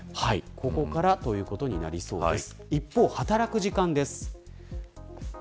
ここからということになりそうです。